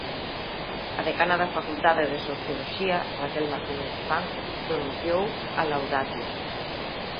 A decana da facultade de Socioloxía, Raquel Martínez Buján, pronunciou a laudatio.